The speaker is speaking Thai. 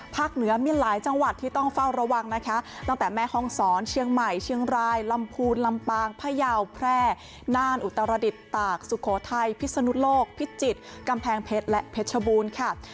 เหนือมีหลายจังหวัดที่ต้องเฝ้าระวังนะคะตั้งแต่แม่ห้องศรเชียงใหม่เชียงรายลำพูนลำปางพยาวแพร่น่านอุตรดิษฐ์ตากสุโขทัยพิศนุโลกพิจิตรกำแพงเพชรและเพชรบูรณ์ค่ะ